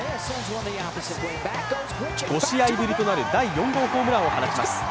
５試合ぶりとなる第４号ホームランを放ちます。